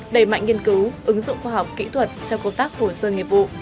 đẩy mạnh nghiên cứu ứng dụng khoa học kỹ thuật trong công tác hồ sơ nghiệp vụ